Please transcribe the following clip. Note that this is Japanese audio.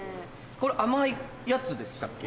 これ甘いやつでしたっけ？